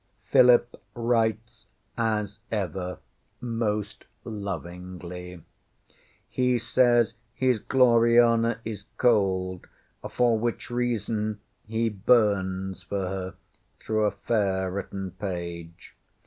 Philip writes as ever most lovingly. He says his Gloriana is cold, for which reason he burns for her through a fair written page.